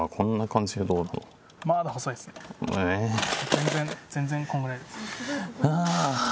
全然全然こんぐらいです